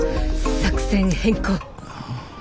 作戦変更。